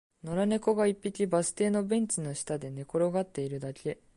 野良猫が一匹、バス停のベンチの下で寝転がっているだけ